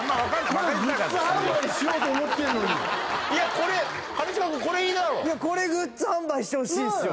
これグッズ販売してほしいっすよ。